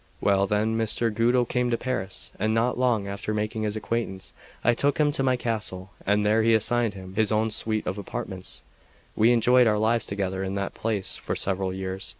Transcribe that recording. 2 Well, then, Messer Guido came to Paris; and not long after making his acquaintance, I took him to my castle, and there assigned him his own suite of apartments. We enjoyed our lives together in that place for several years.